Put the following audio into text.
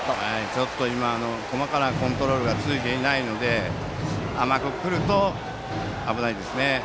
ちょっと細かなコントロールがついてないので甘く来ると危ないですね。